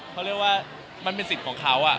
เขาเรียกว่ามันเป็นสิทธิ์ของเขา